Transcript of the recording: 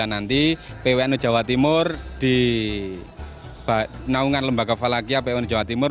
sembilan belas empat puluh sembilan nanti pwnu jawa timur di naungan lembaga falakia pwnu jawa timur